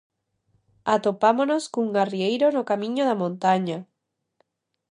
Atopámonos cun arrieiro no camiño da montaña.